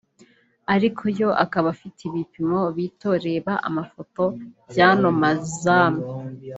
ariko yo akaba afite ibipimo bito (Reba amafoto y’ano mazamu)